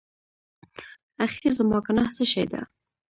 اخېر زما ګناه څه شی ده؟